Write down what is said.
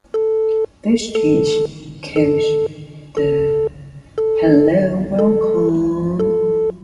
This change caused the aboriginal people concern and unease.